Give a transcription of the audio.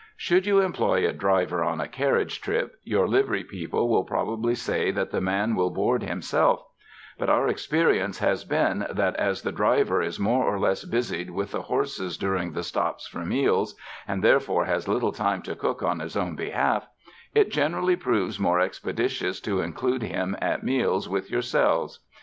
Should you employ a driver on a carriage trip, your livery people will probably say that the man will board himself; but our experience has been that as the driver is more or less busied with the horses during the stops for meals, and therefore has little time to cook on his own behalf, it generally proves more expeditious to include him at meals with your selves.